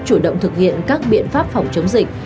chủ động thực hiện các biện pháp phòng chống dịch